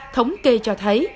thống kê cho thấy